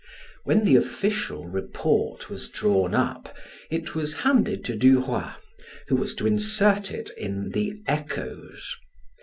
When the official report was drawn up, it was handed to Duroy who was to insert it in the "Echoes."